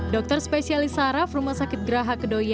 dokter spesialis saraf rumah sakit geraha kedoya